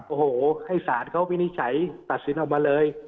โอ้โหให้ศาลเขาวินิจฉัยตัดสินออกมาเลย